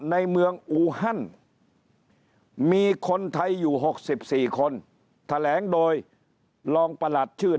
ในเมืองอูฮันมีคนไทยอยู่๖๔คนแถลงโดยรองประหลัดชื่อ